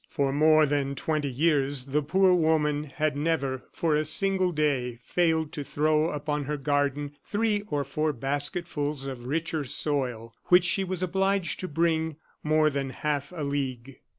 For more than twenty years the poor woman had never, for a single day, failed to throw upon her garden three or four basketfuls of richer soil, which she was obliged to bring more than half a league.